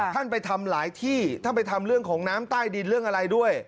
ท่านไปทำหลายที่ท่านไปทำเรื่องของน้ำใต้ดินเรื่องอะไรด้วย